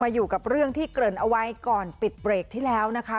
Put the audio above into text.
อยู่กับเรื่องที่เกริ่นเอาไว้ก่อนปิดเบรกที่แล้วนะคะ